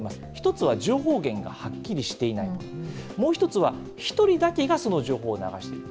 １つは情報源がはっきりしていない、もう１つは、１人だけがその情報を流している。